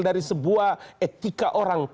dari sebuah etika orang